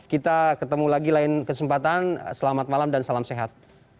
kita ketemu lagi lain kesempatan selamat malam dan salam sehat